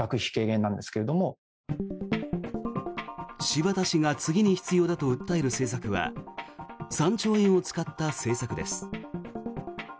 柴田氏が次に必要だと訴える政策は３兆円を使った政策です。